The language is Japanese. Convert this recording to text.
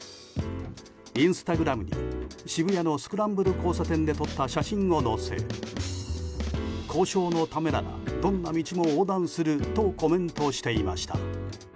インスタグラムに渋谷のスクランブル交差点で撮った写真を載せ交渉のためならどんな道も横断するとコメントしていました。